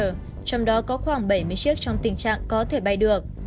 trong đó có khoảng bảy mươi chiếc trong tình trạng có thể bay được